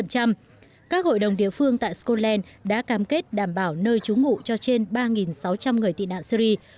các hội đồng địa phương tại scotland đã cam kết đảm bảo nơi trú ngụ cho trên ba sáu trăm linh người tị nạn syri